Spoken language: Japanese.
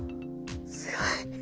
すごい！